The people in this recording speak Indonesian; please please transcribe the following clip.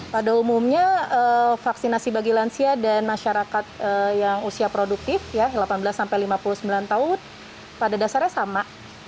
pada umumnya vaksinasi bagi lansia dan masyarakat yang usia produktif delapan belas lima puluh sembilan tahun pada dasarnya sama